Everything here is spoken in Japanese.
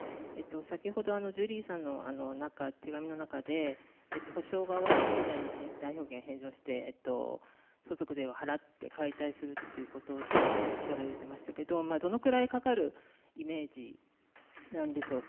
先ほどジュリーさんの手紙の中で補償が終わり次第代表権を返上して相続税を払って解体するとおっしゃられてましたけれどもどのくらいかかるイメージなんでしょうか。